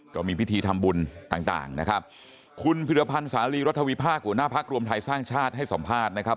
ก็มีพิธีทำบุญต่างต่างนะครับคุณพิรพันธ์สาลีรัฐวิพากษ์หัวหน้าพักรวมไทยสร้างชาติให้สัมภาษณ์นะครับ